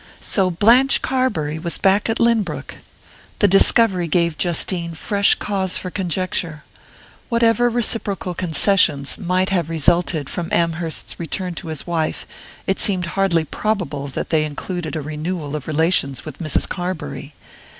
So Blanche Carbury was back at Lynbrook! The discovery gave Justine fresh cause for conjecture. Whatever reciprocal concessions might have resulted from Amherst's return to his wife, it seemed hardly probable that they included a renewal of relations with Mrs. Carbury.